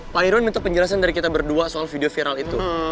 pak irwan minta penjelasan dari kita berdua soal video viral itu